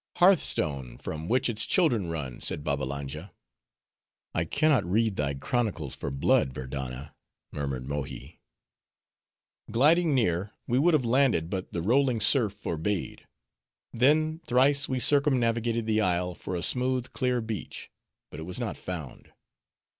Hearth stone, from which its children run," said Babbalanja. "I can not read thy chronicles for blood, Verdanna," murmured Mohi. Gliding near, we would have landed, but the rolling surf forbade. Then thrice we circumnavigated the isle for a smooth, clear beach; but it was not found.